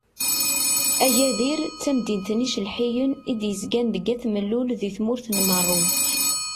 Agadir d tamdint n yicelḥiyen i d-yezgan deg At Mellul di tmurt n Merruk.